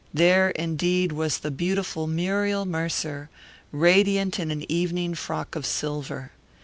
There, indeed, was the beautiful Muriel Mercer, radiant in an evening frock of silver.